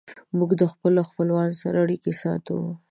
موږ د خپلوانو سره اړیکې ساتو.